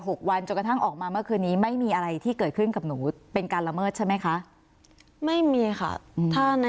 ห้ามคุยเด็ดขาด